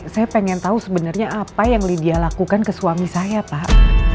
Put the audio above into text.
saya pengen tahu sebenarnya apa yang lydia lakukan ke suami saya pak